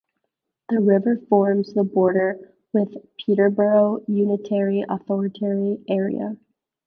The river forms the border with the Peterborough unitary authority area.